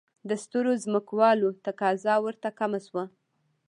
د سترو ځمکوالو تقاضا ورته کمه شوه.